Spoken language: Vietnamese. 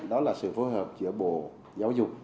đó là sự phối hợp giữa bộ giáo dục